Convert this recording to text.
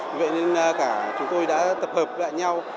vì vậy nên cả chúng tôi đã tập hợp lại nhau